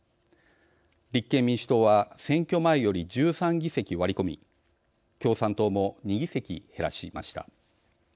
立憲民主党は選挙前より１３議席割り込み共産党も２議席減らしました。